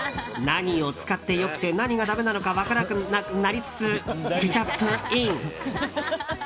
何を使って良くて何がだめなのか分からなくなりつつケチャップイン。